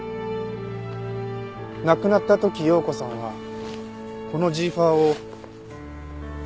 亡くなった時葉子さんはこのジーファーを。